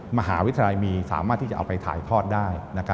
มหาวิทยาลัยมีสามารถที่จะเอาไปถ่ายทอดได้